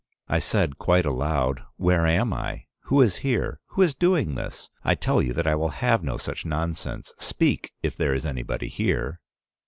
I said quite aloud, 'Where am I? Who is here? Who is doing this? I tell you I will have no such nonsense. Speak, if there is anybody here.